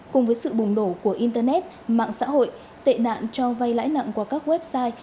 cùng với sự bùng đổ của internet mạng xã hội tệ nạn cho vay lãi nặng qua các website